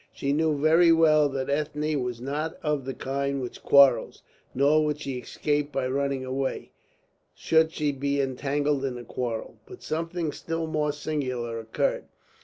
She knew very well that Ethne was not of the kind which quarrels, nor would she escape by running away, should she be entangled in a quarrel. But something still more singular occurred.